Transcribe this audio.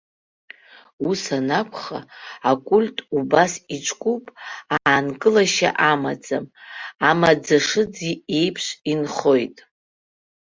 Ус анакәха, акульт убас иҿкуп, аанкылашьа амаӡам, амаӡашыӡ аиԥш инхоит.